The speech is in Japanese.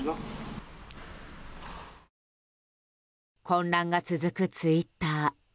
混乱が続くツイッター。